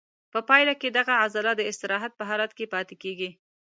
په پایله کې دغه عضله د استراحت په حالت کې پاتې کېږي.